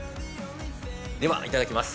ではいただきます。